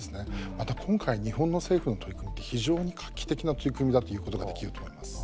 また、今回日本の政府の取り組みって非常に画期的な取り組みだということができると思います。